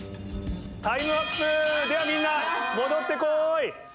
タイムアップではみんな戻って来い。